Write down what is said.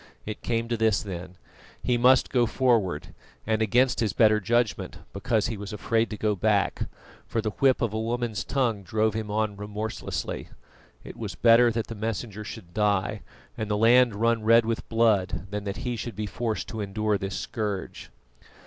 It came to this, then: he must go forward, and against his better judgment, because he was afraid to go back, for the whip of a woman's tongue drove him on remorselessly. It was better that the Messenger should die, and the land run red with blood, than that he should be forced to endure this scourge.